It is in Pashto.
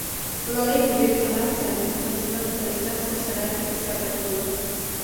ګلالۍ په ډېر قناعت سره د خپل ژوند په سختو شرایطو کې صبر کاوه.